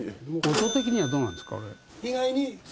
音的にはどうなんですか？